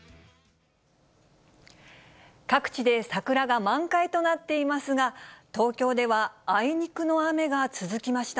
各地で桜が満開となっていますが、東京では、あいにくの雨が続きました。